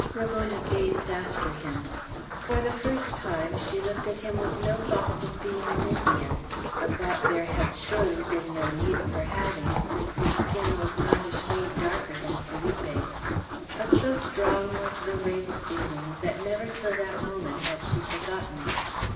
Ramona gazed after him. For the first time, she looked at him with no thought of his being an Indian, a thought there had surely been no need of her having, since his skin was not a shade darker than Felipe's; but so strong was the race feeling, that never till that moment had she forgotten it.